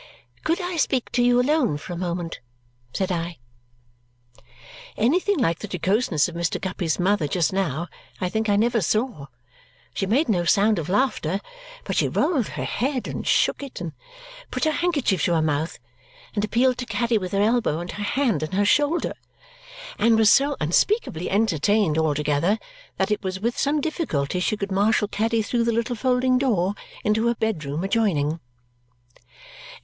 "Could I speak to you alone for a moment?" said I. Anything like the jocoseness of Mr. Guppy's mother just now, I think I never saw. She made no sound of laughter, but she rolled her head, and shook it, and put her handkerchief to her mouth, and appealed to Caddy with her elbow, and her hand, and her shoulder, and was so unspeakably entertained altogether that it was with some difficulty she could marshal Caddy through the little folding door into her bedroom adjoining.